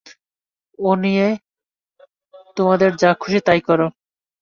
ও নিয়ে তোমাদের যা-খুশি তাই করো।